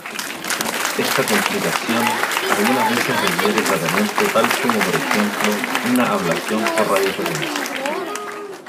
Esta complicación algunas veces requiere tratamiento tal como por ejemplo una ablación por radiofrecuencia.